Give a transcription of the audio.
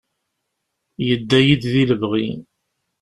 Yedda-yi-d di lebɣi.